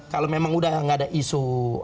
kalau memang udah gak ada isu